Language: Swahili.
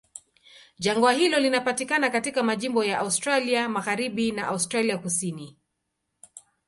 Jangwa hilo linapatikana katika majimbo ya Australia Magharibi na Australia Kusini.